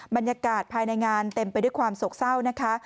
บรรยากาศภายในงานเต็มไปด้วยความโศกเศร้านะคะ